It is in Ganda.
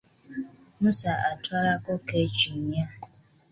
Musa atwalako keeki nnya.